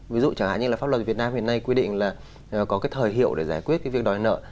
ví dụ chẳng hạn như là pháp luật việt nam hiện nay quy định là có cái thời hiệu để giải quyết cái việc đòi nợ